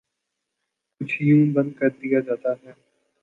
کچھ یوں بند کردیا جاتا ہے